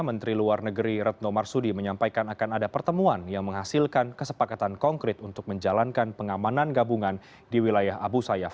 menteri luar negeri retno marsudi menyampaikan akan ada pertemuan yang menghasilkan kesepakatan konkret untuk menjalankan pengamanan gabungan di wilayah abu sayyaf